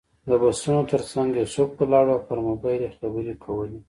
د بسونو تر څنګ یوسف ولاړ و او پر موبایل یې خبرې کولې.